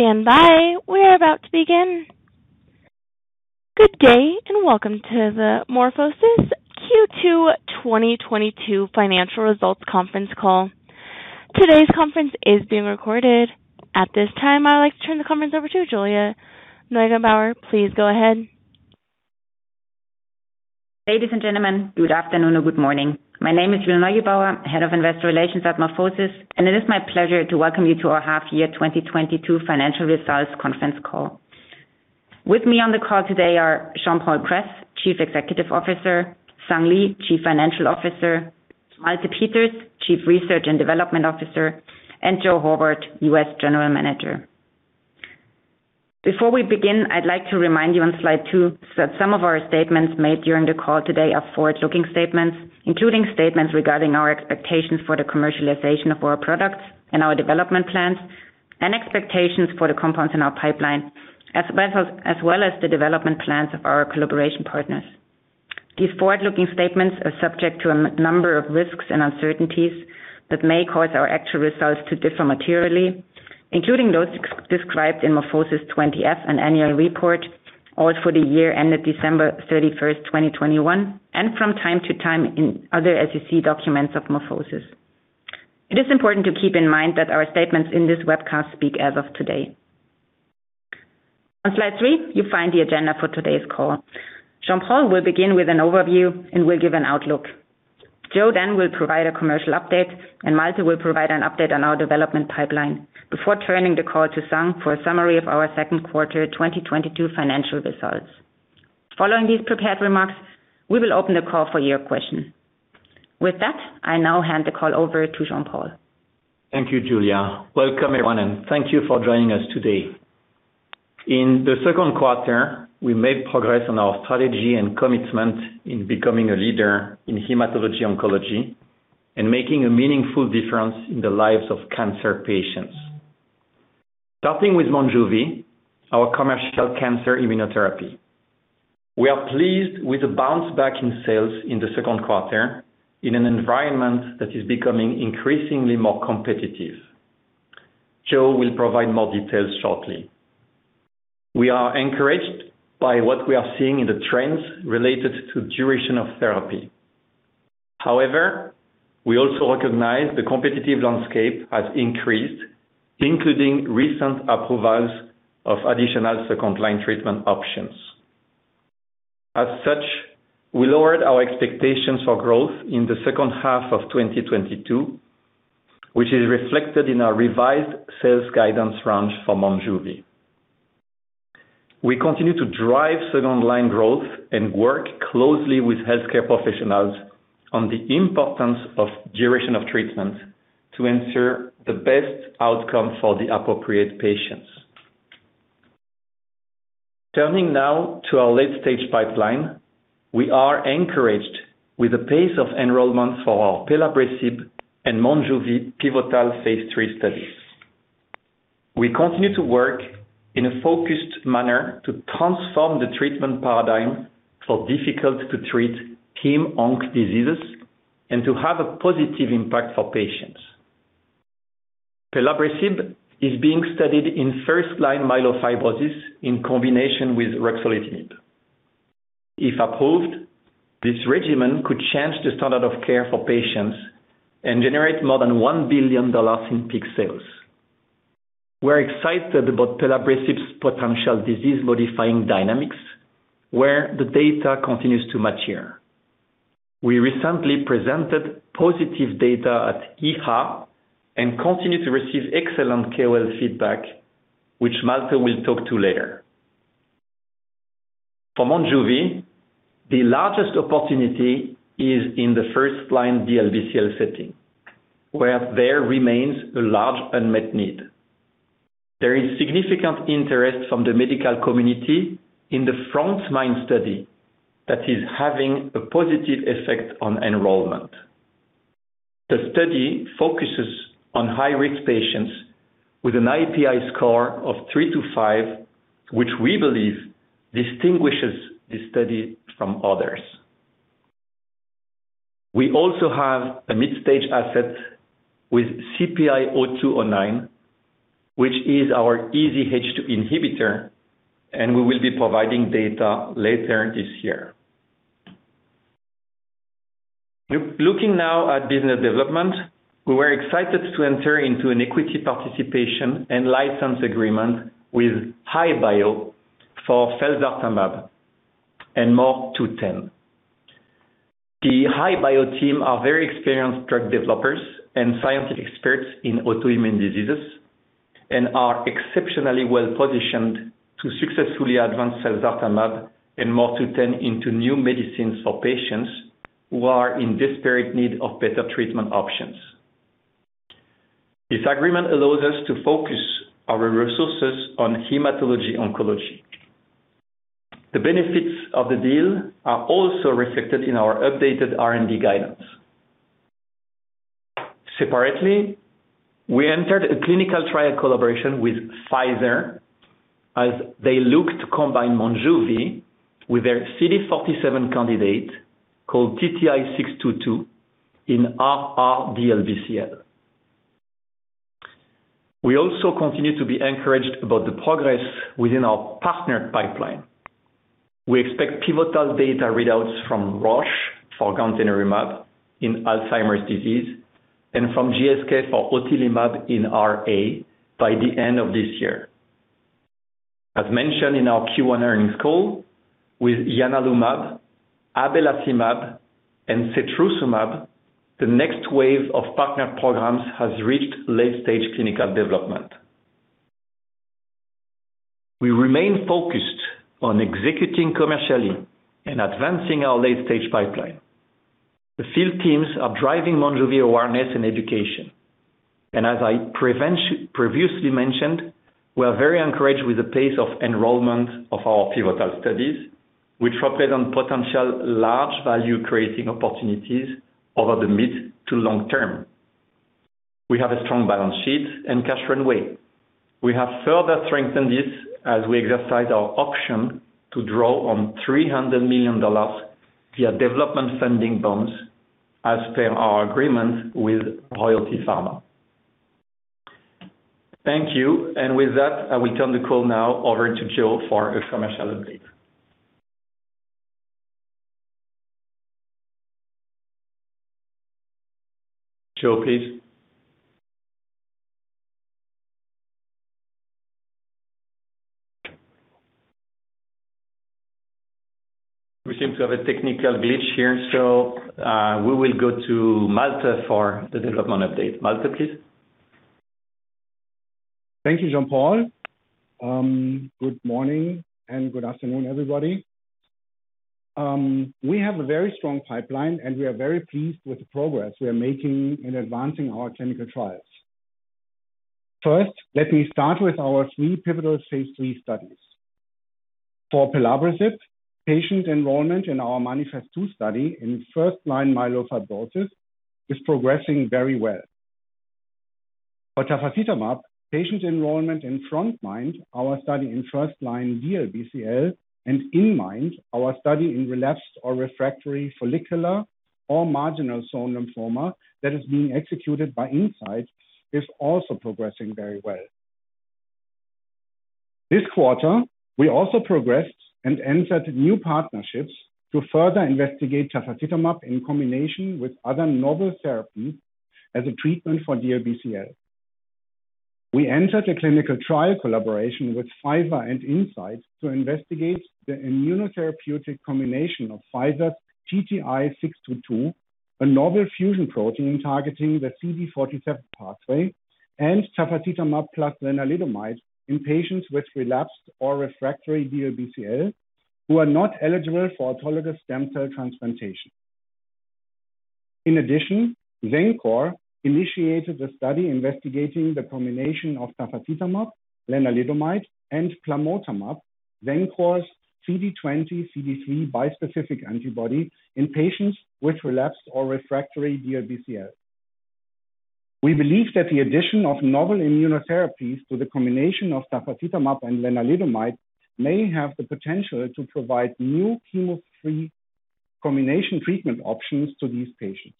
Please stand by. We're about to begin. Good day and welcome to the MorphoSys Q2 2022 Financial Results Conference Call. Today's conference is being recorded. At this time, I'd like to turn the conference over to Julia Neugebauer. Please go ahead. Ladies and gentlemen, good afternoon or good morning. My name is Julia Neugebauer, Head of Investor Relations at MorphoSys, and it is my pleasure to welcome you to our half year 2022 financial results conference call. With me on the call today are Jean-Paul Kress, Chief Executive Officer, Sung Lee, Chief Financial Officer, Malte Peters, Chief Research and Development Officer, and Joe Horvat, U.S. General Manager. Before we begin, I'd like to remind you on slide two that some of our statements made during the call today are forward-looking statements, including statements regarding our expectations for the commercialization of our products and our development plans, and expectations for the compounds in our pipeline, as well as the development plans of our collaboration partners. These forward-looking statements are subject to a number of risks and uncertainties that may cause our actual results to differ materially, including those described in MorphoSys Form 20-F and annual report for the year ended December 31st, 2021, and from time to time in other SEC documents of MorphoSys. It is important to keep in mind that our statements in this webcast speak as of today. On slide three, you find the agenda for today's call. Jean-Paul will begin with an overview and will give an outlook. Joe then will provide a commercial update, and Malte will provide an update on our development pipeline before turning the call to Sung for a summary of our second quarter 2022 financial results. Following these prepared remarks, we will open the call for your questions. With that, I now hand the call over to Jean-Paul. Thank you, Julia. Welcome everyone, and thank you for joining us today. In the second quarter, we made progress on our strategy and commitment in becoming a leader in hematology-oncology and making a meaningful difference in the lives of cancer patients. Starting with Monjuvi, our commercial cancer immunotherapy. We are pleased with the bounce back in sales in the second quarter in an environment that is becoming increasingly more competitive. Joe will provide more details shortly. We are encouraged by what we are seeing in the trends related to duration of therapy. However, we also recognize the competitive landscape has increased, including recent approvals of additional second-line treatment options. As such, we lowered our expectations for growth in the second half of 2022, which is reflected in our revised sales guidance range for Monjuvi. We continue to drive second-line growth and work closely with healthcare professionals on the importance of duration of treatment to ensure the best outcome for the appropriate patients. Turning now to our late-stage pipeline, we are encouraged with the pace of enrollment for our pelabresib and Monjuvi pivotal phase III studies. We continue to work in a focused manner to transform the treatment paradigm for difficult-to-treat hem-onc diseases and to have a positive impact for patients. Pelabresib is being studied in first-line myelofibrosis in combination with ruxolitinib. If approved, this regimen could change the standard of care for patients and generate more than $1 billion in peak sales. We're excited about pelabresib's potential disease-modifying dynamics, where the data continues to mature. We recently presented positive data at EHA and continue to receive excellent KOL feedback, which Malte will talk to later. For Monjuvi, the largest opportunity is in the first-line DLBCL setting, where there remains a large unmet need. There is significant interest from the medical community in the frontMIND study that is having a positive effect on enrollment. The study focuses on high-risk patients with an IPI score of three-five, which we believe distinguishes this study from others. We also have a mid-stage asset with CPI-0209, which is our EZH2 inhibitor, and we will be providing data later this year. Looking now at business development, we were excited to enter into an equity participation and license agreement with HI-Bio for felzartamab and MOR210. The HI-Bio team are very experienced drug developers and scientific experts in autoimmune diseases and are exceptionally well-positioned to successfully advance felzartamab and MOR210 into new medicines for patients who are in desperate need of better treatment options. This agreement allows us to focus our resources on hematology-oncology. The benefits of the deal are also reflected in our updated R&D guidance. Separately, we entered a clinical trial collaboration with Pfizer. As they look to combine Monjuvi with their CD47 candidate, called TTI-622 in R/R DLBCL. We also continue to be encouraged about the progress within our partner pipeline. We expect pivotal data readouts from Roche for gantenerumab in Alzheimer's disease and from GSK for otilimab in RA by the end of this year. As mentioned in our Q1 earnings call, with ianalumab, abelacimab, and setrusumab, the next wave of partner programs has reached late-stage clinical development. We remain focused on executing commercially and advancing our late-stage pipeline. The field teams are driving Monjuvi awareness and education. As I previously mentioned, we are very encouraged with the pace of enrollment of our pivotal studies, which represent potential large value creating opportunities over the mid to long term. We have a strong balance sheet and cash runway. We have further strengthened this as we exercise our option to draw on $300 million via development funding bonds as per our agreement with Royalty Pharma. Thank you. With that, I will turn the call now over to Joe for a commercial update. Joe, please. We seem to have a technical glitch here, so we will go to Malte for the development update. Malte, please. Thank you, Jean-Paul. Good morning and good afternoon, everybody. We have a very strong pipeline, and we are very pleased with the progress we are making in advancing our clinical trials. First, let me start with our three pivotal phase III studies. For pelabresib, patient enrollment in our MANIFEST-2 study in first-line myelofibrosis is progressing very well. For tafasitamab, patient enrollment in frontMIND, our study in first-line DLBCL, and inMIND, our study in relapsed or refractory follicular or marginal zone lymphoma that is being executed by Incyte, is also progressing very well. This quarter, we also progressed and entered new partnerships to further investigate tafasitamab in combination with other novel therapies as a treatment for DLBCL. We entered a clinical trial collaboration with Pfizer and Incyte to investigate the immunotherapeutic combination of Pfizer's TTI-622, a novel fusion protein targeting the CD47 pathway, and tafasitamab plus lenalidomide in patients with relapsed or refractory DLBCL who are not eligible for autologous stem cell transplantation. In addition, Xencor initiated a study investigating the combination of tafasitamab, lenalidomide, and plamotamab, Xencor's CD20 x CD3 bispecific antibody in patients with relapsed or refractory DLBCL. We believe that the addition of novel immunotherapies to the combination of tafasitamab and lenalidomide may have the potential to provide new chemo-free combination treatment options to these patients.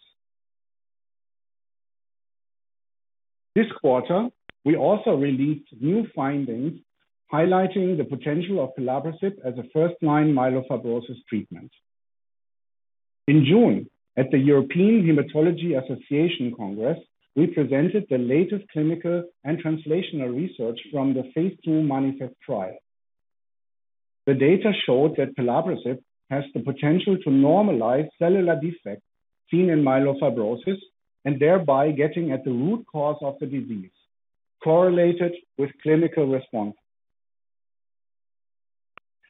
This quarter, we also released new findings highlighting the potential of pelabresib as a first-line myelofibrosis treatment. In June, at the European Hematology Association Congress, we presented the latest clinical and translational research from the phase II MANIFEST trial. The data showed that pelabresib has the potential to normalize cellular defects seen in myelofibrosis and thereby getting at the root cause of the disease correlated with clinical response.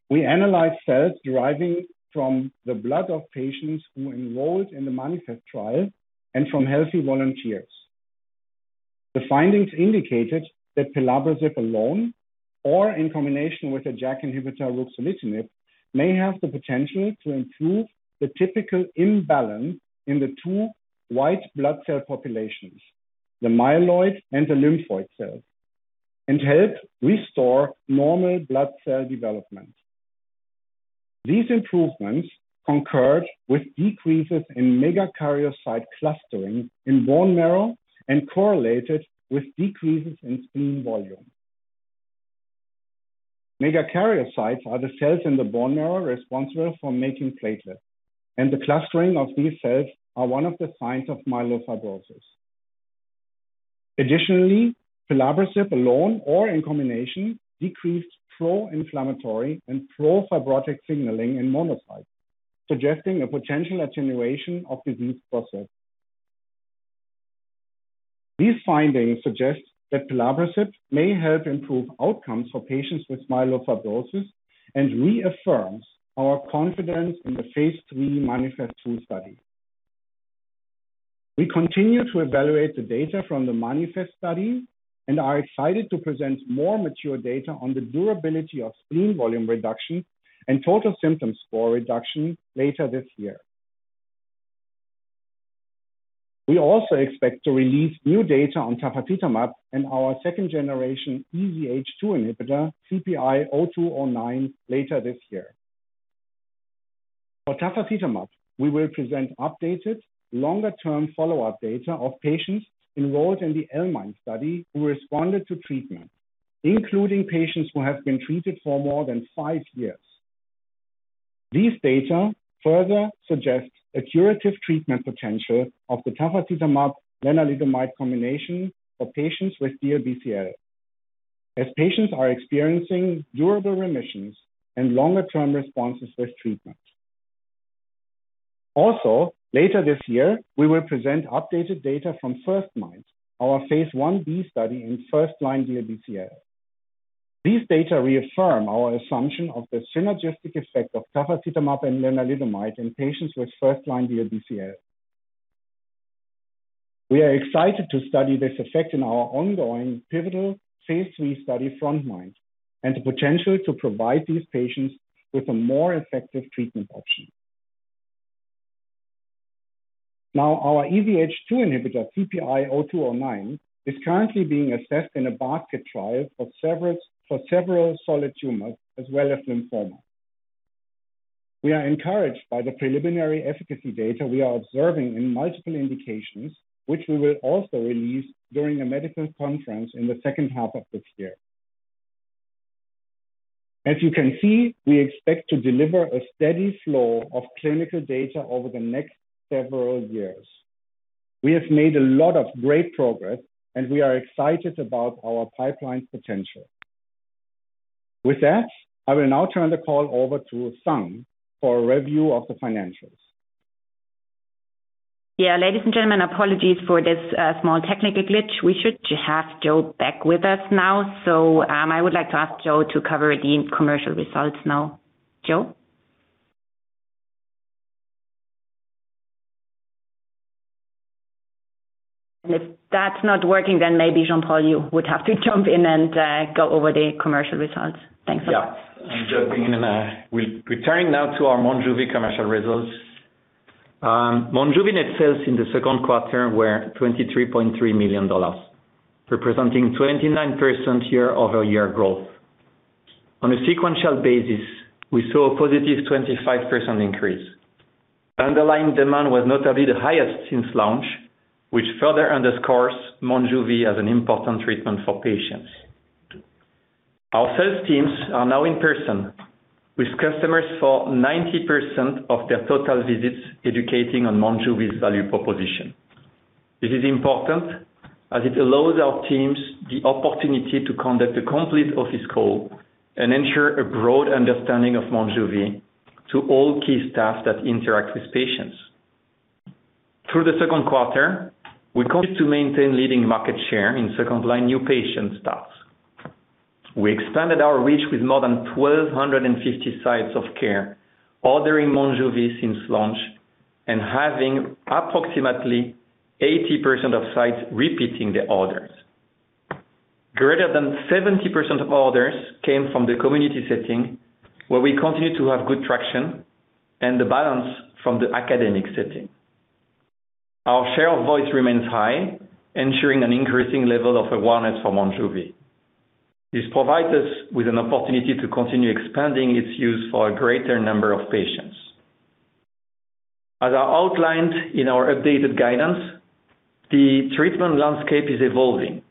We analyzed cells deriving from the blood of patients who enrolled in the MANIFEST trial and from healthy volunteers. The findings indicated that pelabresib alone or in combination with a JAK inhibitor, ruxolitinib, may have the potential to improve the typical imbalance in the two white blood cell populations, the myeloid and the lymphoid cells, and help restore normal blood cell development. These improvements concurred with decreases in megakaryocyte clustering in bone marrow and correlated with decreases in spleen volume. Megakaryocytes are the cells in the bone marrow responsible for making platelets, and the clustering of these cells are one of the signs of myelofibrosis. Additionally, pelabresib alone or in combination decreased pro-inflammatory and pro-fibrotic signaling in monocytes, suggesting a potential attenuation of disease process. These findings suggest that pelabresib may help improve outcomes for patients with myelofibrosis and reaffirms our confidence in the phase III MANIFEST-2 study. We continue to evaluate the data from the MANIFEST study and are excited to present more mature data on the durability of spleen volume reduction and total symptom score reduction later this year. We also expect to release new data on tafasitamab and our second-generation EZH2 inhibitor, CPI-0209, later this year. For tafasitamab, we will present updated longer-term follow-up data of patients enrolled in the L-MIND study who responded to treatment, including patients who have been treated for more than five years. These data further suggest a curative treatment potential of the tafasitamab lenalidomide combination for patients with DLBCL, as patients are experiencing durable remissions and longer-term responses with treatment. Later this year, we will present updated data from firstMIND, our phase I-B study in first-line DLBCL. These data reaffirm our assumption of the synergistic effect of tafasitamab and lenalidomide in patients with first-line DLBCL. We are excited to study this effect in our ongoing pivotal phase III study, frontMIND, and the potential to provide these patients with a more effective treatment option. Our EZH2 inhibitor, CPI-0209, is currently being assessed in a basket trial for several solid tumors as well as lymphoma. We are encouraged by the preliminary efficacy data we are observing in multiple indications, which we will also release during a medical conference in the second half of this year. As you can see, we expect to deliver a steady flow of clinical data over the next several years. We have made a lot of great progress, and we are excited about our pipeline potential. With that, I will now turn the call over to Sung for a review of the financials. Yeah. Ladies and gentlemen, apologies for this small technical glitch. We should have Joe back with us now. I would like to ask Joe to cover the commercial results now. Joe? If that's not working, then maybe, Jean-Paul, you would have to jump in and go over the commercial results. Thanks a lot. Yeah. I'm jumping in. We're returning now to our Monjuvi commercial results. Monjuvi net sales in the second quarter were $23.3 million, representing 29% year-over-year growth. On a sequential basis, we saw a +25% increase. Underlying demand was notably the highest since launch, which further underscores Monjuvi as an important treatment for patients. Our sales teams are now in person with customers for 90% of their total visits, educating on Monjuvi's value proposition. This is important, as it allows our teams the opportunity to conduct a complete office call and ensure a broad understanding of Monjuvi to all key staff that interact with patients. Through the second quarter, we continued to maintain leading market share in second-line new patient starts. We expanded our reach with more than 1,250 sites of care, ordering Monjuvi since launch and having approximately 80% of sites repeating the orders. Greater than 70% of orders came from the community setting, where we continue to have good traction, and the balance from the academic setting. Our share of voice remains high, ensuring an increasing level of awareness for Monjuvi. This provides us with an opportunity to continue expanding its use for a greater number of patients. As I outlined in our updated guidance, the treatment landscape is evolving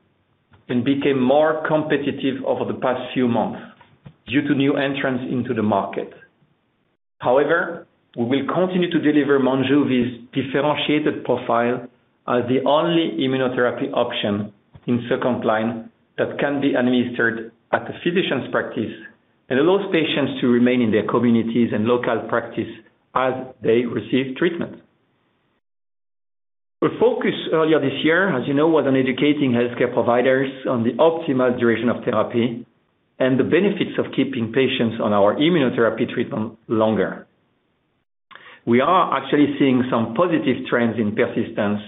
and became more competitive over the past few months due to new entrants into the market. However, we will continue to deliver Monjuvi's differentiated profile as the only immunotherapy option in second line that can be administered at the physician's practice and allows patients to remain in their communities and local practice as they receive treatment. Our focus earlier this year, as you know, was on educating healthcare providers on the optimal duration of therapy and the benefits of keeping patients on our immunotherapy treatment longer. We are actually seeing some positive trends in persistence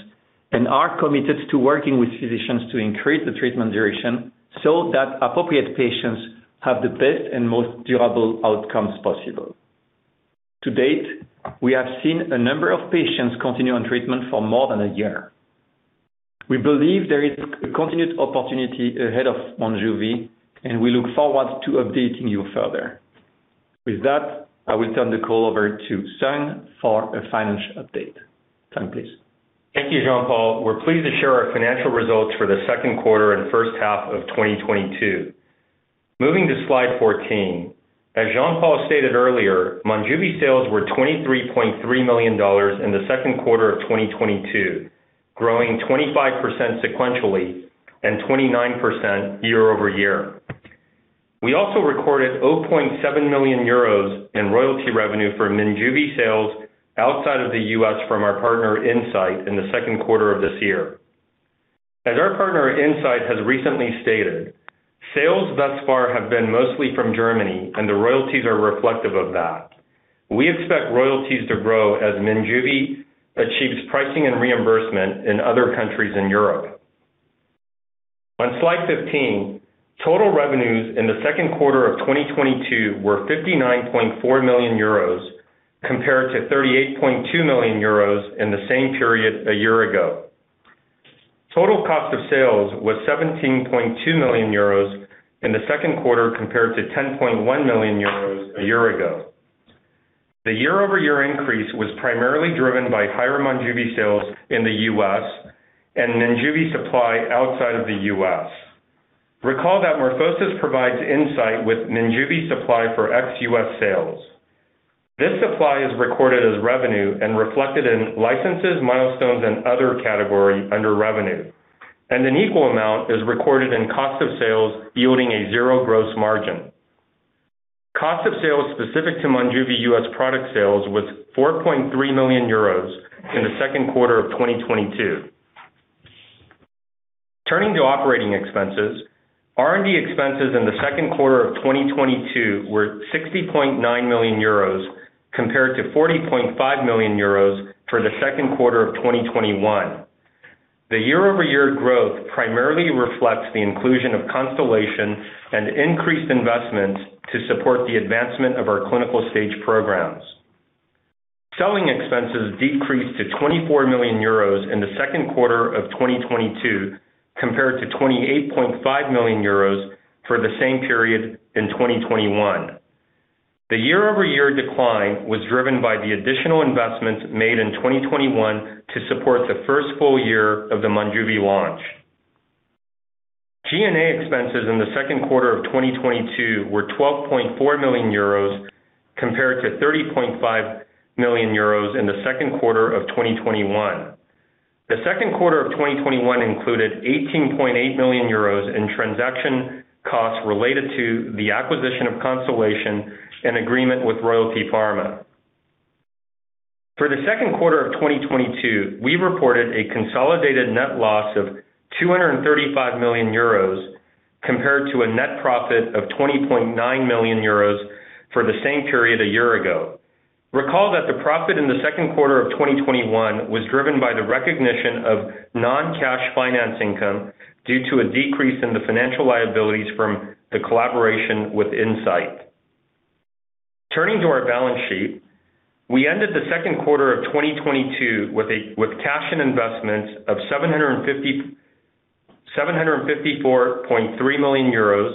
and are committed to working with physicians to increase the treatment duration so that appropriate patients have the best and most durable outcomes possible. To date, we have seen a number of patients continue on treatment for more than a year. We believe there is a continued opportunity ahead of Monjuvi, and we look forward to updating you further. With that, I will turn the call over to Sung for a financial update. Sung, please. Thank you, Jean-Paul. We're pleased to share our financial results for the second quarter and first half of 2022. Moving to slide 14. As Jean-Paul stated earlier, Monjuvi sales were $23.3 million in the second quarter of 2022, growing 25% sequentially and 29% year-over-year. We also recorded 0.7 million euros in royalty revenue for Monjuvi sales outside of the U.S. from our partner Incyte in the second quarter of this year. As our partner Incyte has recently stated, sales thus far have been mostly from Germany, and the royalties are reflective of that. We expect royalties to grow as Minjuvi achieves pricing and reimbursement in other countries in Europe. On slide 15, total revenues in the second quarter of 2022 were 59.4 million euros compared to 38.2 million euros in the same period a year ago. Total cost of sales was 17.2 million euros in the second quarter compared to 10.1 million euros a year ago. The year-over-year increase was primarily driven by higher Monjuvi sales in the U.S. and Minjuvi supply outside of the U.S. Recall that MorphoSys provides insight with Minjuvi supply for ex-U.S. sales. This supply is recorded as revenue and reflected in licenses, milestones and other category under revenue, and an equal amount is recorded in cost of sales, yielding a zero gross margin. Cost of sales specific to Monjuvi U.S. product sales was 4.3 million euros in the second quarter of 2022. Turning to operating expenses, R&D expenses in the second quarter of 2022 were 60.9 million euros compared to 40.5 million euros for the second quarter of 2021. The year-over-year growth primarily reflects the inclusion of Constellation and increased investment to support the advancement of our clinical stage programs. Selling expenses decreased to 24 million euros in the second quarter of 2022 compared to 28.5 million euros for the same period in 2021. The year-over-year decline was driven by the additional investments made in 2021 to support the first full year of the Monjuvi launch. G&A expenses in the second quarter of 2022 were 12.4 million euros compared to 30.5 million euros in the second quarter of 2021. The second quarter of 2021 included 18.8 million euros in transaction costs related to the acquisition of Constellation in agreement with Royalty Pharma. For the second quarter of 2022, we reported a consolidated net loss of 235 million euros compared to a net profit of 20.9 million euros for the same period a year ago. Recall that the profit in the second quarter of 2021 was driven by the recognition of non-cash finance income due to a decrease in the financial liabilities from the collaboration with Incyte. Turning to our balance sheet, we ended the second quarter of 2022 with cash and investments of 754.3 million euros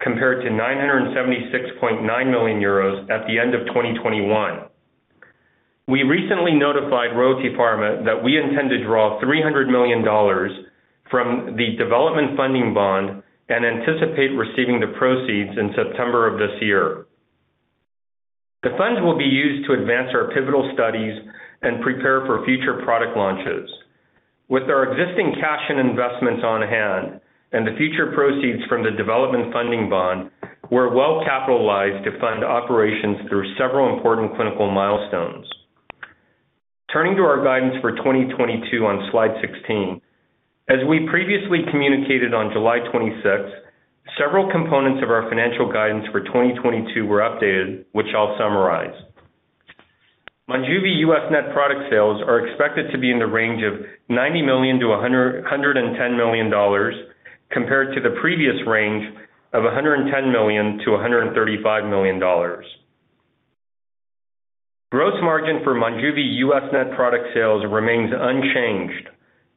compared to 976.9 million euros at the end of 2021. We recently notified Royalty Pharma that we intend to draw $300 million from the development funding bond and anticipate receiving the proceeds in September of this year. The funds will be used to advance our pivotal studies and prepare for future product launches. With our existing cash and investments on hand and the future proceeds from the development funding bond, we're well capitalized to fund operations through several important clinical milestones. Turning to our guidance for 2022 on slide 16. As we previously communicated on July 26th, several components of our financial guidance for 2022 were updated, which I'll summarize. Monjuvi U.S. net product sales are expected to be in the range of $90 million-$110 million compared to the previous range of $110 million-$135 million. Gross margin for Monjuvi U.S. net product sales remains unchanged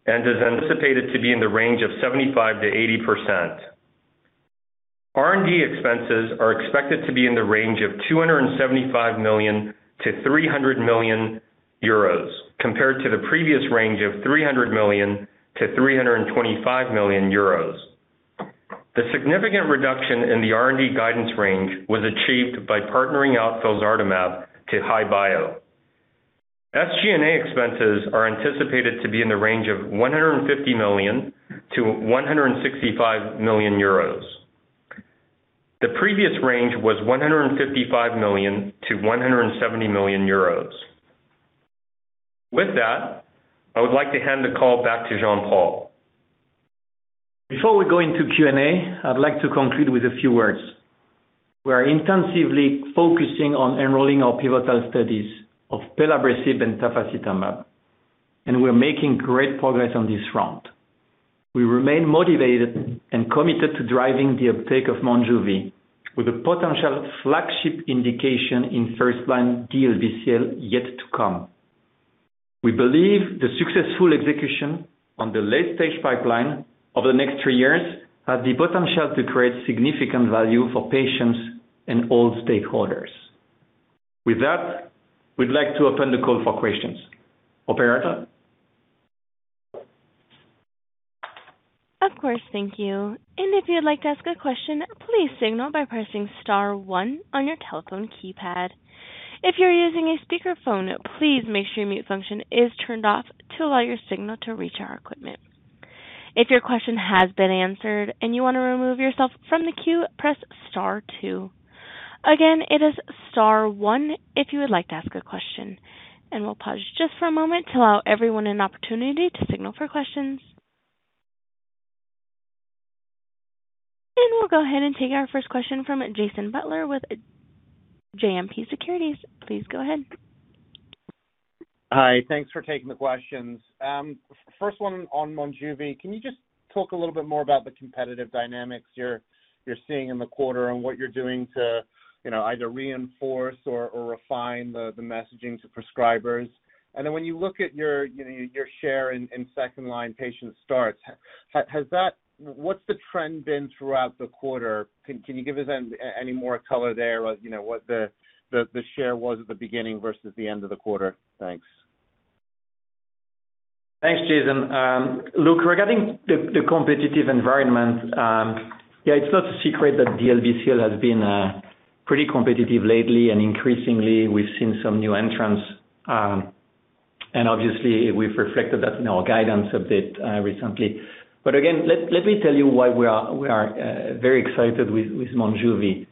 and is anticipated to be in the range of 75%-80%. R&D expenses are expected to be in the range of 275 million-300 million euros compared to the previous range of 300 million-325 million euros. The significant reduction in the R&D guidance range was achieved by partnering out felzartamab to HI-Bio. SG&A expenses are anticipated to be in the range of 150 million-165 million euros. The previous range was 155 million-170 million euros. With that, I would like to hand the call back to Jean-Paul. Before we go into Q&A, I'd like to conclude with a few words. We are intensively focusing on enrolling our pivotal studies of pelabresib and tafasitamab, and we're making great progress on this front. We remain motivated and committed to driving the uptake of Monjuvi with a potential flagship indication in first-line DLBCL yet to come. We believe the successful execution on the late-stage pipeline over the next three years has the potential to create significant value for patients and all stakeholders. With that, we'd like to open the call for questions. Operator? Of course, thank you. If you'd like to ask a question, please signal by pressing star one on your telephone keypad. If you're using a speakerphone, please make sure your mute function is turned off to allow your signal to reach our equipment. If your question has been answered and you want to remove yourself from the queue, press star two. Again, it is star one if you would like to ask a question, and we'll pause just for a moment to allow everyone an opportunity to signal for questions. We'll go ahead and take our first question from Jason Butler with JMP Securities. Please go ahead. Hi. Thanks for taking the questions. First one on Monjuvi. Can you just talk a little bit more about the competitive dynamics you're seeing in the quarter and what you're doing to you know either reinforce or refine the messaging to prescribers? And then when you look at your share in second-line patient starts, has that. What's the trend been throughout the quarter? Can you give us any more color there? You know, what the share was at the beginning versus the end of the quarter? Thanks. Thanks, Jason. Look, regarding the competitive environment, yeah, it's not a secret that DLBCL has been pretty competitive lately, and increasingly we've seen some new entrants. Obviously we've reflected that in our guidance a bit recently. Again, let me tell you why we are very excited with Monjuvi.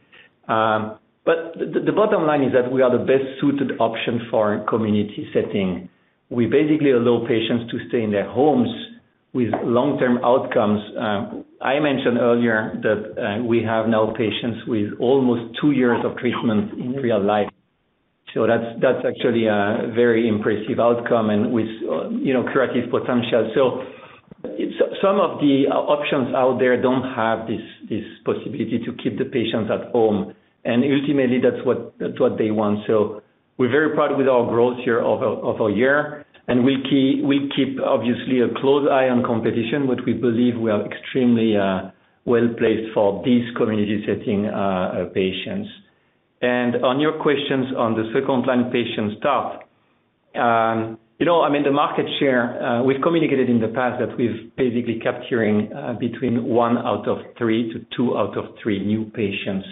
The bottom line is that we are the best-suited option for community setting. We basically allow patients to stay in their homes with long-term outcomes. I mentioned earlier that we have now patients with almost two years of treatment in real life. That's actually a very impressive outcome and with, you know, curative potential. Some of the options out there don't have this possibility to keep the patients at home, and ultimately that's what they want. We're very proud with our growth here of our year, and we'll keep obviously a close eye on competition, but we believe we are extremely well placed for these community setting patients. On your questions on the second-line patient start. You know, I mean the market share, we've communicated in the past that we've basically capturing between 1/3 to 2/3 new patients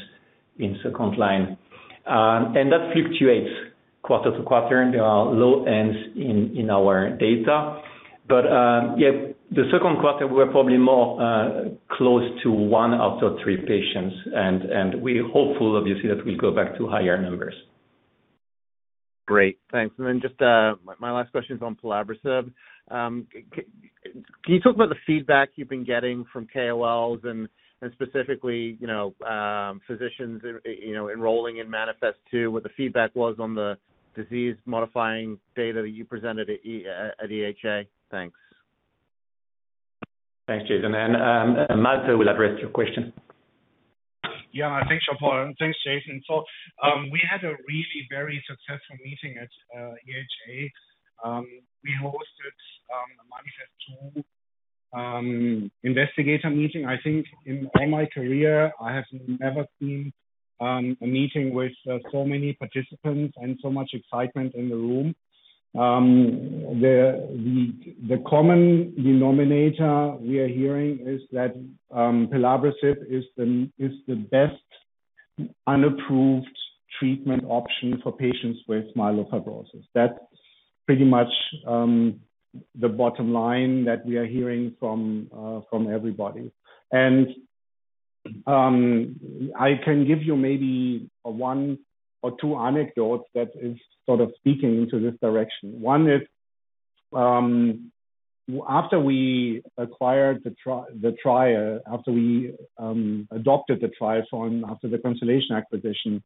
in second line. And that fluctuates quarter-to-quarter. There are low ends in our data. Yeah, the second quarter we're probably more close to 1/3 patients. We're hopeful obviously that we'll go back to higher numbers. Great. Thanks. Just my last question is on pelabresib. Can you talk about the feedback you've been getting from KOLs and specifically physicians enrolling in MANIFEST-2, what the feedback was on the disease-modifying data that you presented at EHA? Thanks. Thanks, Jason. Malte will address your question. Yeah. Thanks, Jean-Paul. Thanks, Jason. We had a really very successful meeting at EHA. We hosted a MANIFEST-2 investigator meeting. I think in all my career, I have never seen a meeting with so many participants and so much excitement in the room. The common denominator we are hearing is that pelabresib is the best unapproved treatment option for patients with myelofibrosis. That's pretty much the bottom line that we are hearing from everybody. I can give you maybe one or two anecdotes that is sort of speaking into this direction. One is, after the Constellation acquisition,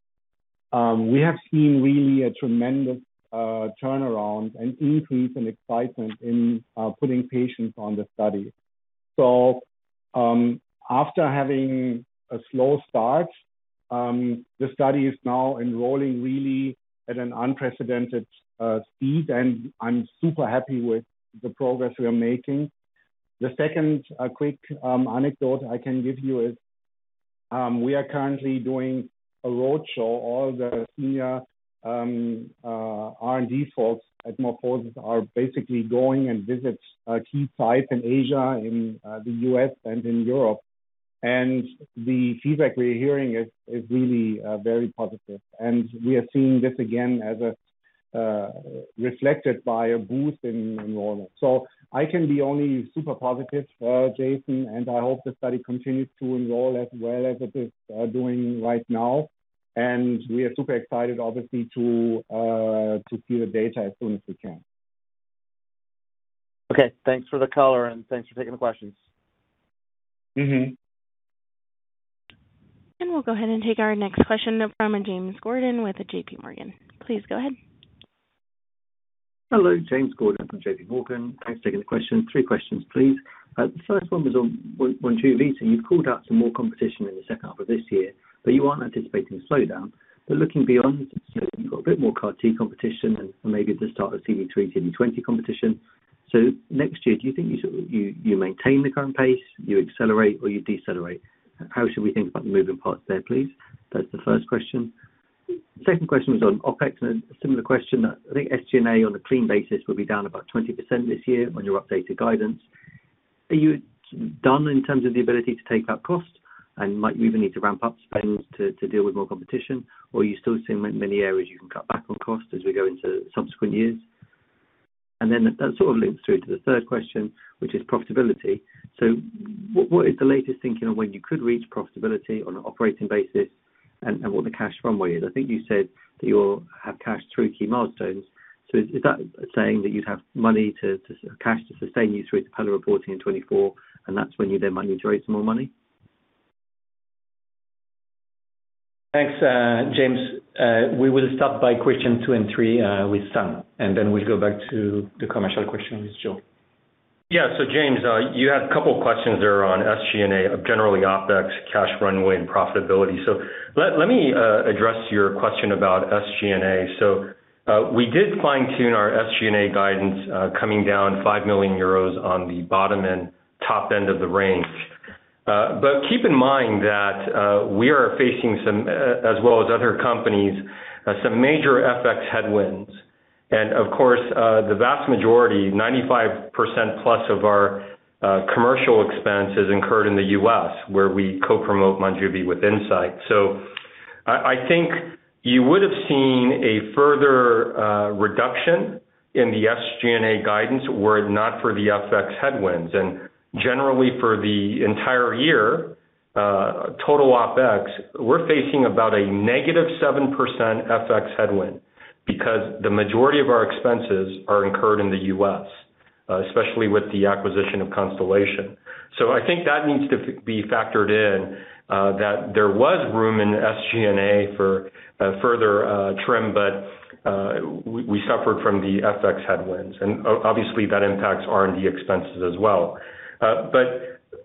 we have seen really a tremendous turnaround, an increase in excitement in putting patients on the study. After having a slow start, the study is now enrolling really at an unprecedented speed, and I'm super happy with the progress we are making. The second quick anecdote I can give you is, we are currently doing a roadshow. All the senior R&D folks at MorphoSys are basically going and visiting key sites in Asia, in the U.S., and in Europe. The feedback we're hearing is really very positive. We are seeing this again as reflected by a boost in enrollment. I can be only super positive for Jason, and I hope the study continues to enroll as well as it is doing right now. We are super excited obviously to see the data as soon as we can. Okay. Thanks for the color, and thanks for taking the questions. Mm-hmm. We'll go ahead and take our next question from James Gordon with JPMorgan. Please go ahead. Hello, James Gordon from JPMorgan. Thanks for taking the question. Three questions, please. The first one was on Monjuvi. You've called out some more competition in the second half of this year, but you aren't anticipating a slowdown. Looking beyond, you've got a bit more CAR-T competition and maybe at the start of 2024 competition. Next year, do you think you maintain the current pace, you accelerate, or you decelerate? How should we think about the moving parts there, please? That's the first question. Second question is on OpEx and a similar question. I think SG&A on a clean basis will be down about 20% this year on your updated guidance. Are you done in terms of the ability to take that cost and might you even need to ramp up spend to deal with more competition? You still see many areas you can cut back on cost as we go into subsequent years? That sort of links through to the third question, which is profitability. What is the latest thinking on when you could reach profitability on an operating basis and what the cash runway is? I think you said that you'll have cash through key milestones. Is that saying that you'd have cash to sustain you through to pelabresib reporting in 2024, and that's when you then might need to raise more money? Thanks, James. We will start by question two and three with Sung, and then we'll go back to the commercial question with Joe. James, you had a couple of questions there on SG&A, generally OPEX, cash runway and profitability. Let me address your question about SG&A. We did fine-tune our SG&A guidance, coming down 5 million euros on the bottom and top end of the range. But keep in mind that we are facing some, as well as other companies, major FX headwinds. Of course, the vast majority, 95%+ of our commercial expense is incurred in the U.S., where we co-promote Monjuvi with Incyte. I think you would have seen a further reduction in the SG&A guidance were it not for the FX headwinds. Generally for the entire year, total OpEx, we're facing about a -7% FX headwind because the majority of our expenses are incurred in the U.S., especially with the acquisition of Constellation. I think that needs to be factored in, that there was room in SG&A for further trim, but we suffered from the FX headwinds, and obviously that impacts R&D expenses as well.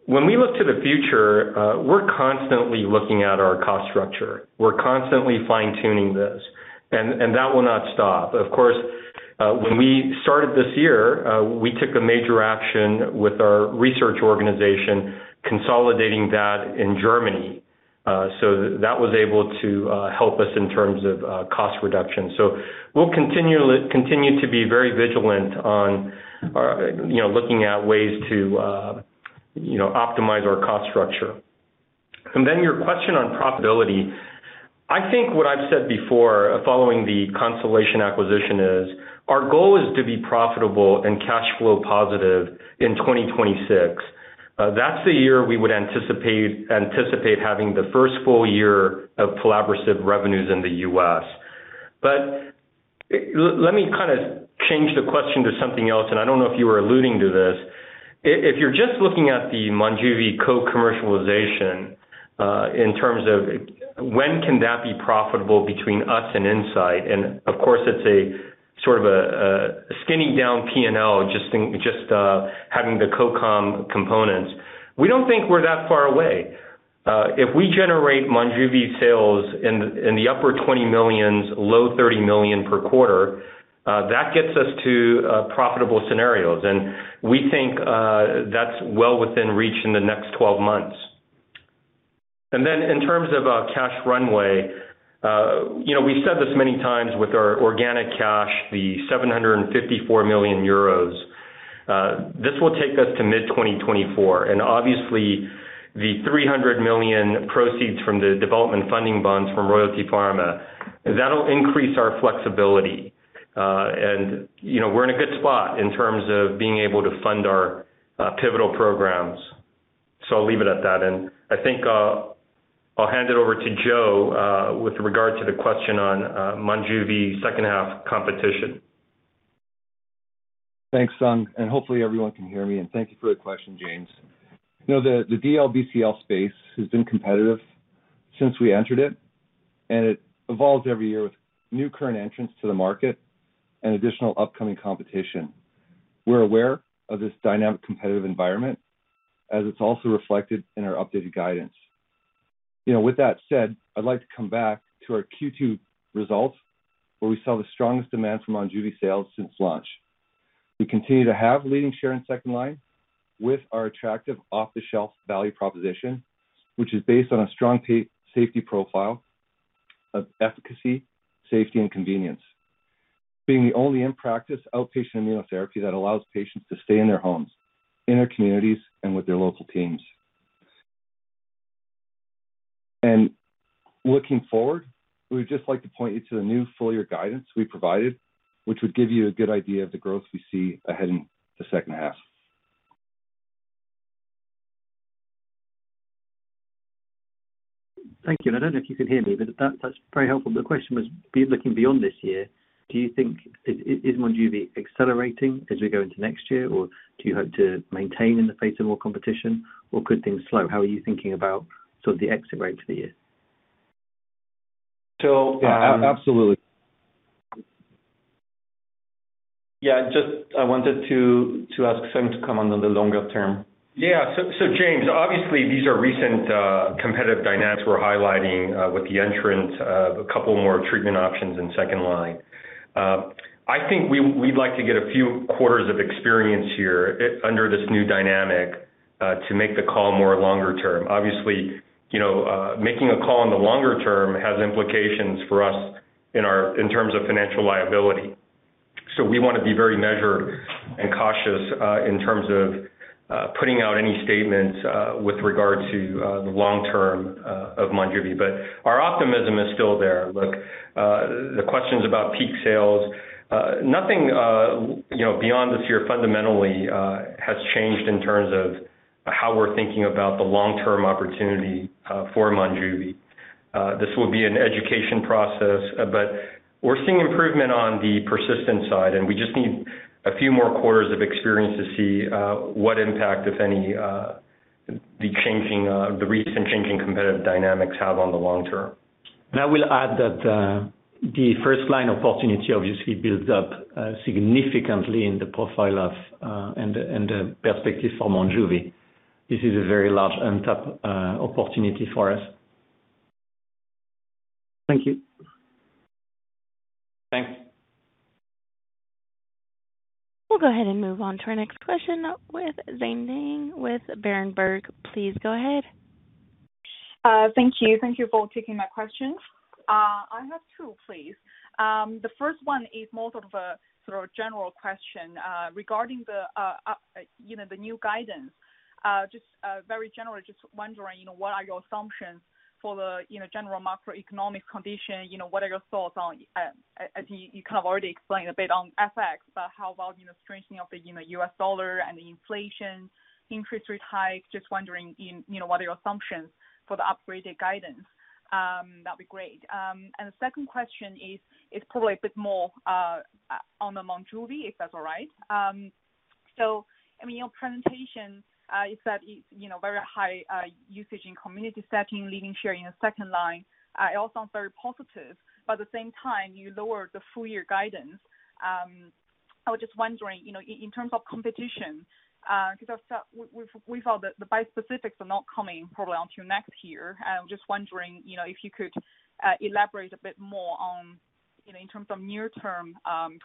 When we look to the future, we're constantly looking at our cost structure. We're constantly fine-tuning this, and that will not stop. Of course, when we started this year, we took a major action with our research organization, consolidating that in Germany. That was able to help us in terms of cost reduction. We'll continue to be very vigilant on looking at ways to optimize our cost structure. Then your question on profitability. I think what I've said before following the Constellation acquisition is, our goal is to be profitable and cash flow positive in 2026. That's the year we would anticipate having the first full year of collaborative revenues in the U.S. Let me kind of change the question to something else, and I don't know if you were alluding to this. If you're just looking at the Monjuvi co-commercialization, in terms of when can that be profitable between us and Incyte, and of course, it's a sort of a skinned-down P&L, just having the co-comm components, we don't think we're that far away. If we generate Monjuvi sales in the upper $20 million, low $30 million per quarter, that gets us to profitable scenarios. We think that's well within reach in the next 12 months. Then in terms of cash runway, you know, we said this many times with our organic cash, the 754 million euros, this will take us to mid-2024. Obviously, the $300 million proceeds from the development funding bonds from Royalty Pharma, that'll increase our flexibility. You know, we're in a good spot in terms of being able to fund our pivotal programs. I'll leave it at that. I think I'll hand it over to Joe with regard to the question on Monjuvi second half competition. Thanks, Sung, and hopefully everyone can hear me, and thank you for the question, James. You know, the DLBCL space has been competitive since we entered it, and it evolves every year with new current entrants to the market and additional upcoming competition. We're aware of this dynamic competitive environment as it's also reflected in our updated guidance. You know, with that said, I'd like to come back to our Q2 results, where we saw the strongest demand from Monjuvi sales since launch. We continue to have leading share in second line with our attractive off-the-shelf value proposition, which is based on a strong safety profile of efficacy, safety, and convenience, being the only in-practice outpatient immunotherapy that allows patients to stay in their homes, in their communities, and with their local teams. Looking forward, we would just like to point you to the new full year guidance we provided, which would give you a good idea of the growth we see ahead in the second half. Thank you. I don't know if you can hear me, but that's very helpful. The question was, looking beyond this year, do you think Monjuvi is accelerating as we go into next year, or do you hope to maintain in the face of more competition, or could things slow? How are you thinking about sort of the exit rate for the year? So, um- Yeah. Absolutely. Yeah, just I wanted to ask Sung to come on the longer term. Yeah. James, obviously these are recent competitive dynamics we're highlighting with the entrant of a couple more treatment options in second line. I think we'd like to get a few quarters of experience here under this new dynamic to make the call more longer term. Obviously, you know, making a call in the longer term has implications for us in terms of financial liability. We wanna be very measured and cautious in terms of putting out any statements with regard to the long term of Monjuvi. Our optimism is still there. Look, the questions about peak sales, nothing you know beyond this year fundamentally has changed in terms of how we're thinking about the long-term opportunity for Monjuvi. This will be an education process, but we're seeing improvement on the persistent side, and we just need a few more quarters of experience to see what impact, if any, the recent changing competitive dynamics have on the long term. I will add that the first-line opportunity obviously builds up significantly in the profile and the perspective for Monjuvi. This is a very large untapped opportunity for us. Thank you. Thanks. We'll go ahead and move on to our next question with Zhiqiang Shu with Berenberg. Please go ahead. Thank you for taking my questions. I have two, please. The first one is more of a sort of general question, regarding the new guidance. Just very generally, just wondering, you know, what are your assumptions for the, you know, general macroeconomic condition? You know, what are your thoughts on, as you kind of already explained a bit on FX, but how about, you know, strengthening of the, you know, U.S. dollar and the inflation, interest rate hike? Just wondering in, you know, what are your assumptions for the upgraded guidance. That'd be great. The second question is, it's probably a bit more on the Monjuvi, if that's all right. I mean, your presentation, you said, you know, very high usage in community setting, leading share in the second line, it all sounds very positive. But at the same time, you lowered the full year guidance. I was just wondering, you know, in terms of competition, 'cause we've heard that the bispecifics are not coming probably until next year. I'm just wondering, you know, if you could elaborate a bit more on, you know, in terms of near term,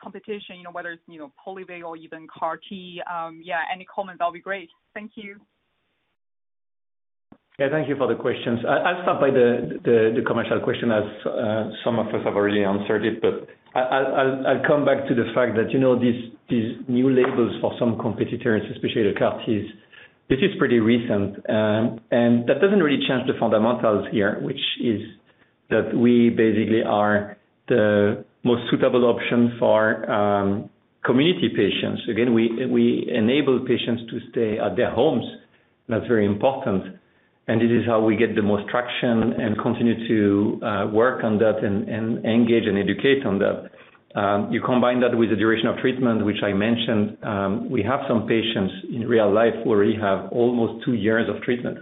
competition, you know, whether it's, you know, Polivy or even CAR-T. Yeah, any comments, that'll be great. Thank you. Yeah, thank you for the questions. I'll start by the commercial question, as some of us have already answered it. I'll come back to the fact that, you know, these new labels for some competitors, especially the CAR-Ts, this is pretty recent. And that doesn't really change the fundamentals here, which is that we basically are the most suitable option for community patients. Again, we enable patients to stay at their homes. That's very important, and it is how we get the most traction and continue to work on that and engage and educate on that. You combine that with the duration of treatment, which I mentioned, we have some patients in real life who already have almost two years of treatment,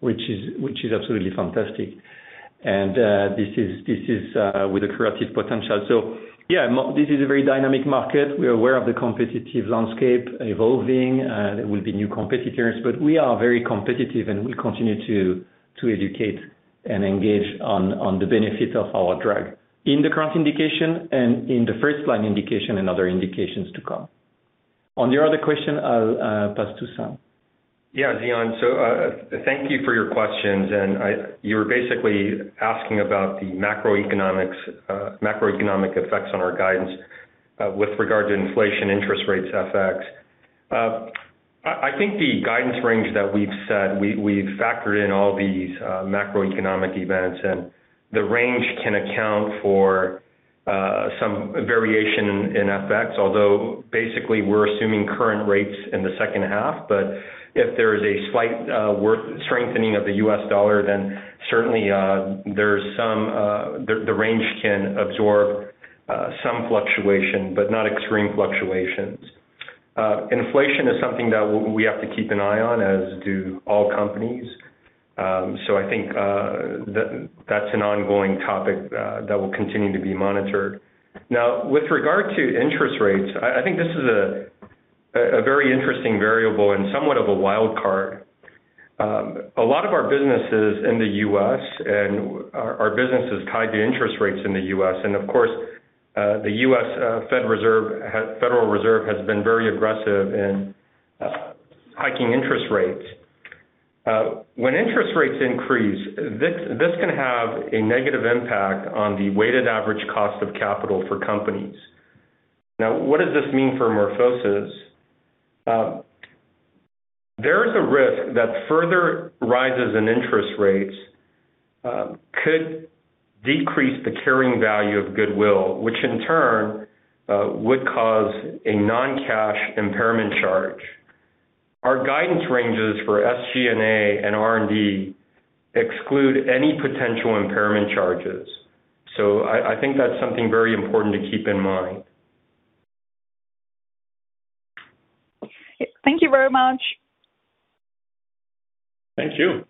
which is absolutely fantastic. This is with a curative potential. Yeah, this is a very dynamic market. We are aware of the competitive landscape evolving. There will be new competitors. We are very competitive, and we continue to educate and engage on the benefits of our drug in the current indication and in the first line indication and other indications to come. On your other question, I'll pass to Sung. Yeah, Zhiqiang. Thank you for your questions. You were basically asking about the macroeconomic effects on our guidance with regard to inflation, interest rates, FX. I think the guidance range that we've said we've factored in all these macroeconomic events, and the range can account for some variation in FX, although basically we're assuming current rates in the second half. If there is a slight strengthening of the U.S. dollar, then certainly there's some, the range can absorb some fluctuation, but not extreme fluctuations. Inflation is something that we have to keep an eye on, as do all companies. I think that's an ongoing topic that will continue to be monitored. Now, with regard to interest rates, I think this is a very interesting variable and somewhat of a wild card. A lot of our businesses in the U.S. and our business is tied to interest rates in the U.S. Of course, the U.S. Federal Reserve has been very aggressive in hiking interest rates. When interest rates increase, this can have a negative impact on the weighted average cost of capital for companies. Now, what does this mean for MorphoSys? There is a risk that further rises in interest rates could decrease the carrying value of goodwill, which in turn would cause a non-cash impairment charge. Our guidance ranges for SG&A and R&D exclude any potential impairment charges. I think that's something very important to keep in mind. Thank you very much. Thank you.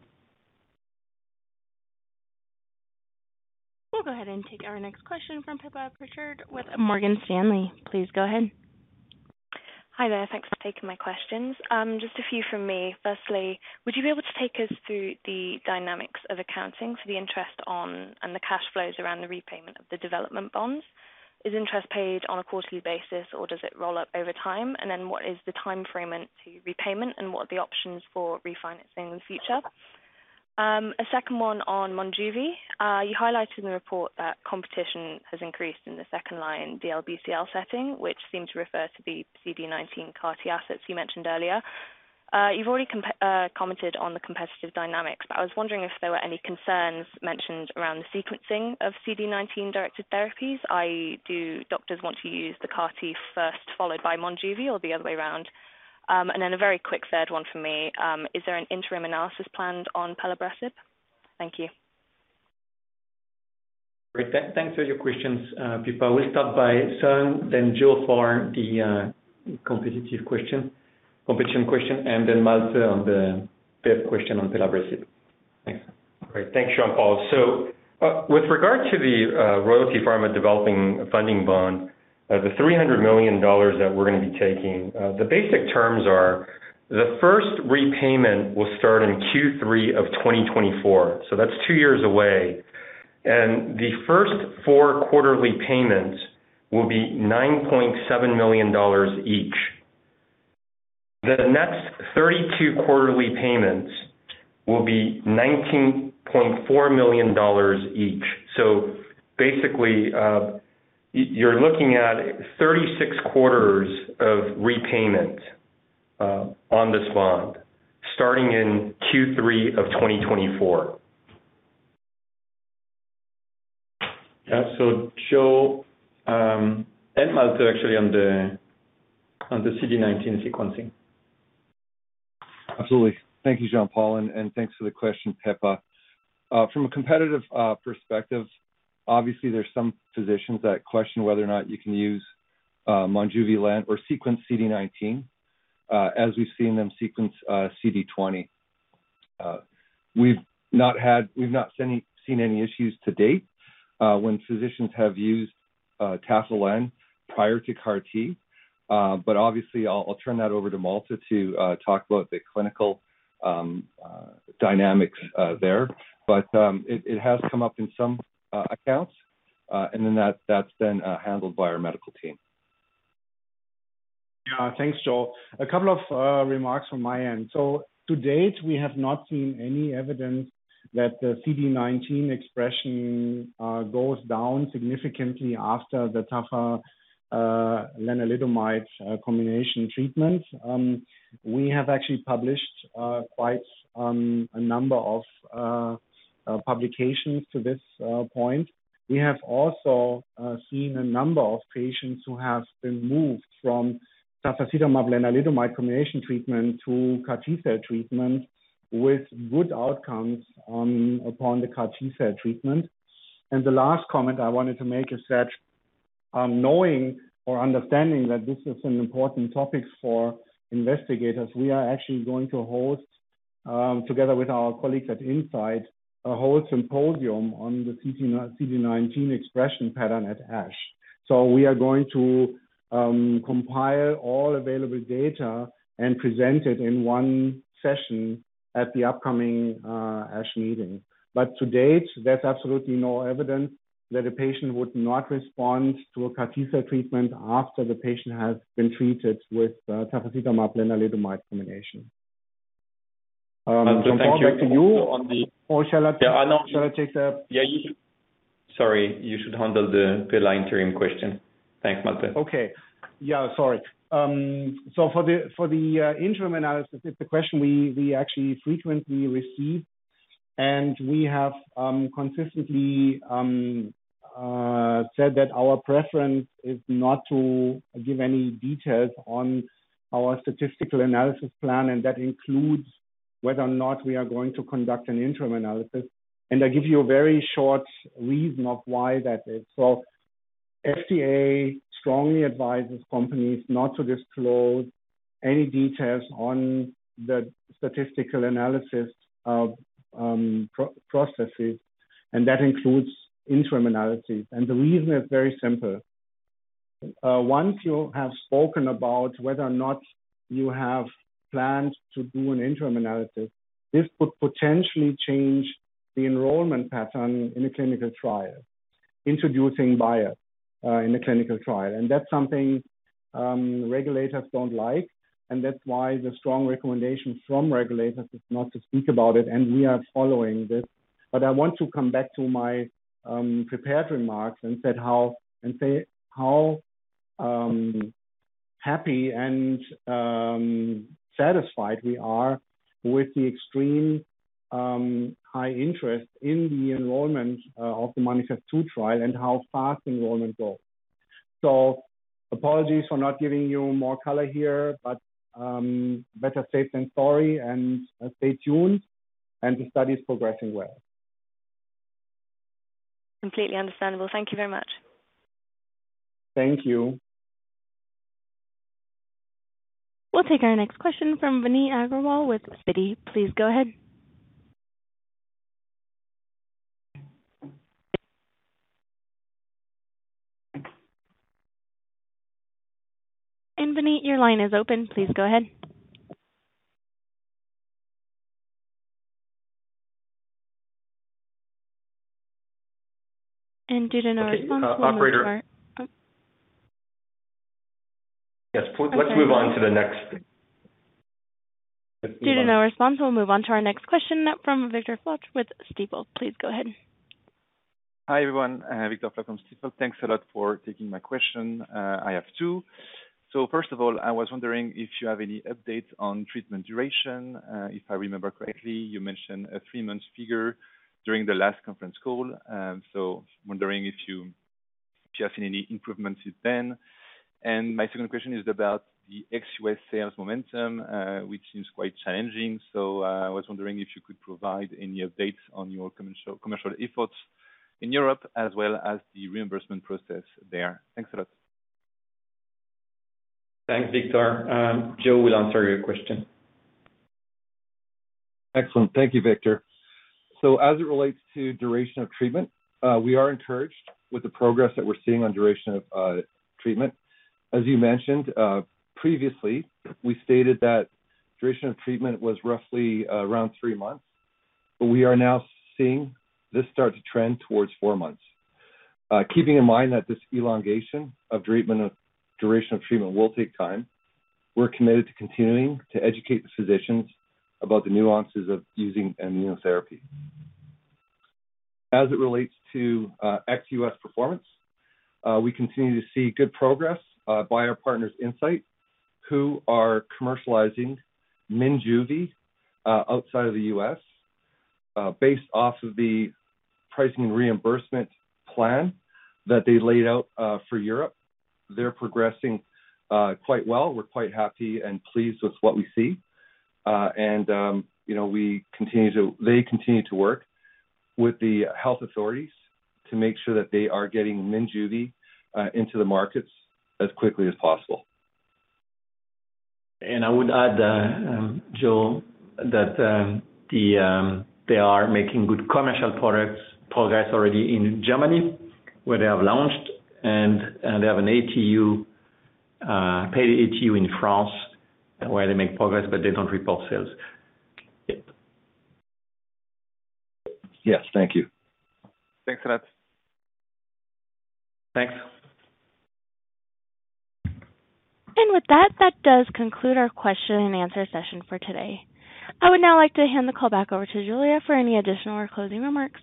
We'll go ahead and take our next question from Pippa Pritchard with Morgan Stanley. Please go ahead. Hi there. Thanks for taking my questions. Just a few from me. Firstly, would you be able to take us through the dynamics of accounting for the interest on and the cash flows around the repayment of the development bonds? Is interest paid on a quarterly basis, or does it roll up over time? And then what is the time frame then to repayment, and what are the options for refinancing in the future? A second one on Monjuvi. You highlighted in the report that competition has increased in the second-line DLBCL setting, which seemed to refer to the CD19 CAR-T assets you mentioned earlier. You've already commented on the competitive dynamics, but I was wondering if there were any concerns mentioned around the sequencing of CD19 directed therapies. Do doctors want to use the CAR-T first, followed by Monjuvi or the other way around? A very quick third one from me. Is there an interim analysis planned on pelabresib? Thank you. Great. Thanks for your questions, Pippa. We'll start by Sung, then Joe for the competition question, and then Malte on the fifth question on pelabresib. Thanks. Great. Thanks, Jean-Paul. With regard to the Royalty Pharma development funding bond, the $300 million that we're gonna be taking, the basic terms are the first repayment will start in Q3 of 2024, so that's two years away. The first four quarterly payments will be $9.7 million each. The next 32 quarterly payments will be $19.4 million each. Basically, you're looking at 36 quarters of repayment on this bond starting in Q3 of 2024. Yeah. Joe, and Malte actually on the CD19 sequencing. Absolutely. Thank you, Jean-Paul, and thanks for the question, Pippa. From a competitive perspective, obviously there's some physicians that question whether or not you can use Monjuvi len or sequence CD19, as we've seen them sequence CD20. We've not seen any issues to date when physicians have used tafasitamab prior to CAR-T. Obviously I'll turn that over to Malte to talk about the clinical dynamics there. It has come up in some accounts, and then that's been handled by our medical team. Yeah. Thanks, Joe. A couple of remarks from my end. To date, we have not seen any evidence that the CD19 expression goes down significantly after the tafasitamab lenalidomide combination treatment. We have actually published quite a number of publications to this point. We have also seen a number of patients who have been moved from tafasitamab lenalidomide combination treatment to CAR T-cell treatment with good outcomes upon the CAR T-cell treatment. The last comment I wanted to make is that, knowing or understanding that this is an important topic for investigators, we are actually going to host, together with our colleagues at Incyte, a whole symposium on the CD19 expression pattern at ASH. We are going to compile all available data and present it in one session at the upcoming ASH meeting. To date, there's absolutely no evidence that a patient would not respond to a CAR T-cell treatment after the patient has been treated with tafasitamab lenalidomide combination. Back to you. On the- Or shall I- Yeah. Shall I take the- Sorry, you should handle the pelabresib interim question. Thanks, Malte. For the interim analysis, it's a question we actually frequently receive, and we have consistently said that our preference is not to give any details on our statistical analysis plan, and that includes whether or not we are going to conduct an interim analysis. I'll give you a very short reason of why that is. FDA strongly advises companies not to disclose any details on the statistical analysis of protocols, and that includes interim analysis. The reason is very simple. Once you have spoken about whether or not you have plans to do an interim analysis, this could potentially change the enrollment pattern in a clinical trial, introducing bias in a clinical trial. That's something regulators don't like, and that's why the strong recommendation from regulators is not to speak about it, and we are following this. But I want to come back to my prepared remarks and say how happy and satisfied we are with the extreme high interest in the enrollment of the MANIFEST-2 trial and how fast enrollment goes. Apologies for not giving you more color here, but better safe than sorry, and stay tuned, and the study is progressing well. Completely understandable. Thank you very much. Thank you. We'll take our next question from Vineet Agrawal with Citi. Please go ahead. Vineet, your line is open. Please go ahead. Due to no response. Okay. Operator. Oh. Yes. Let's move on. Due to no response, we'll move on to our next question from Victor Floc'h with Stifel. Please go ahead. Hi, everyone. Victor Floc'h from Stifel. Thanks a lot for taking my question. I have two. First of all, I was wondering if you have any update on treatment duration. If I remember correctly, you mentioned a three-month figure during the last conference call. So wondering if you have seen any improvements since then. My second question is about the ex-U.S. sales momentum, which seems quite challenging. I was wondering if you could provide any updates on your commercial efforts in Europe as well as the reimbursement process there. Thanks a lot. Thanks, Victor. Joe will answer your question. Excellent. Thank you, Victor. As it relates to duration of treatment, we are encouraged with the progress that we're seeing on duration of treatment. As you mentioned, previously, we stated that duration of treatment was roughly around three months, but we are now seeing this start to trend towards four months. Keeping in mind that this elongation of duration of treatment will take time. We're committed to continuing to educate the physicians about the nuances of using immunotherapy. As it relates to ex-U.S. performance, we continue to see good progress by our partners Incyte, who are commercializing Minjuvi outside of the U.S. based off of the pricing reimbursement plan that they laid out for Europe. They're progressing quite well. We're quite happy and pleased with what we see. You know, they continue to work with the health authorities to make sure that they are getting Minjuvi into the markets as quickly as possible. I would add, Joe, that they are making good commercial products progress already in Germany, where they have launched and they have a paid ATU in France where they make progress, but they don't report sales yet. Yes, thank you. Thanks a lot. Thanks. With that does conclude our question-and-answer session for today. I would now like to hand the call back over to Julia for any additional or closing remarks.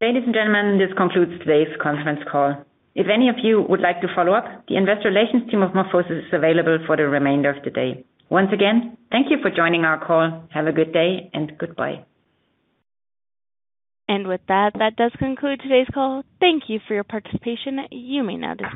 Ladies and gentlemen, this concludes today's conference call. If any of you would like to follow up, the Investor Relations team of MorphoSys is available for the remainder of the day. Once again, thank you for joining our call. Have a good day and goodbye. With that does conclude today's call. Thank you for your participation. You may now disconnect.